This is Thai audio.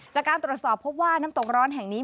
จากการตรวจสอบพบว่าน้ำตกร้อนแห่งนี้